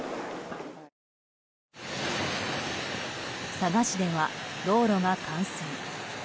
佐賀市では道路が冠水。